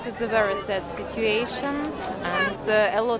ini adalah situasi yang sangat sedih